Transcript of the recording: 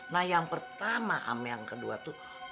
nah yang pertama yang kedua tuh